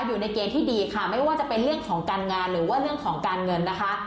อยู่ในเกณฑ์ที่ดีค่ะไม่ว่าจะเป็นเรื่องของการงานหรือว่าเรื่องของการเงินนะคะ